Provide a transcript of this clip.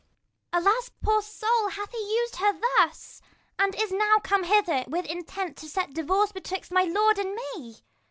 Ragan. Alas, poor soul, and hath he used her thus ? 20 And is he now come hither, with intent To set divorce betwixt my lord and me